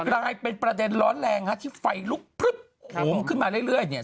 รายเป็นประเด็นร้อนแรงที่ไฟลุกขมขึ้นมาเรื่อย